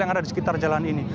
yang ada di sekitar jalan ini